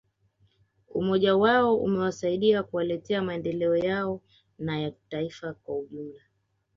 Umoja wao umewasaidia kuwaletea maendeleo yao na ya taifa kwa ujumla